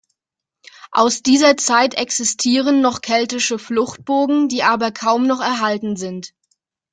Aus dieser Zeit existieren noch keltische Fluchtburgen, die aber kaum noch erhalten sind.